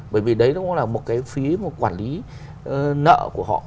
bởi vì đấy nó cũng là một cái phí mà quản lý nợ của họ